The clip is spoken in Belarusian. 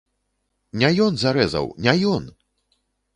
Не ён зарэзаў, не ён!